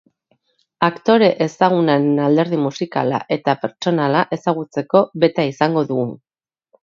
Aktore ezagunaren alderdi musikala eta pertsonala ezagutzeko beta izango dugu.